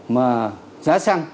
mà giá xăng